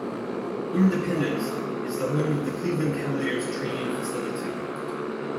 Independence is the home of the Cleveland Cavaliers training facility.